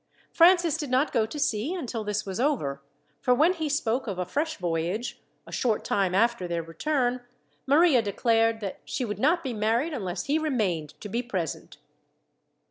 Francis did not go to sea until this was over, for when he spoke of a fresh voyage, a short time after their return, Maria declared that she would not be married unless he remained to be present.